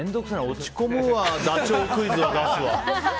落ち込むわダチョウクイズは出すわ。